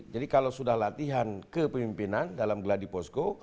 jadi kalau sudah latihan kepemimpinan dalam gladi posko